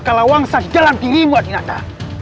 kalau wangsat dalam dirimu adinata